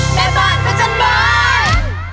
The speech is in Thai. แม่บานผจญบ้าน